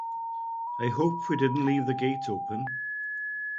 I hope we didn't leave the gate open.